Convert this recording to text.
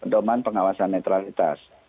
domen pengawasan netralitas